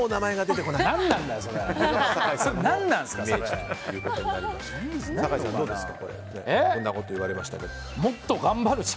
どうですか変なこと言われましたけど。